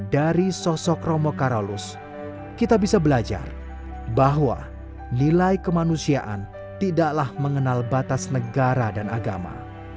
dari sosok romo karolus kita bisa belajar bahwa nilai kemanusiaan tidaklah mengenal batas negara dan agama